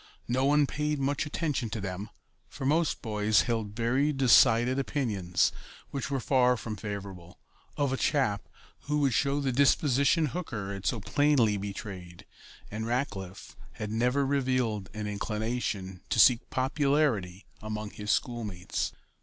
No one paid much attention to them, for most of the boys held very decided opinions, which were far from favorable, of a chap who would show the disposition Hooker had so plainly betrayed; and Rackliff had never revealed an inclination to seek popularity among his schoolmates.